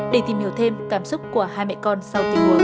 để tìm hiểu thêm cảm xúc của hai mẹ con sau tình huống